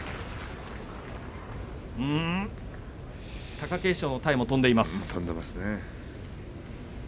貴景勝の体も飛んでいます。